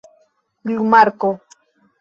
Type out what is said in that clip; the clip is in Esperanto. glumarko